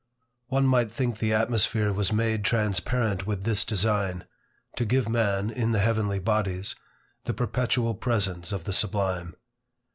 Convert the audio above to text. One might think the atmosphere was made transparent with this design, to give man, in the heavenly bodies, the perpetual presence of the sublime.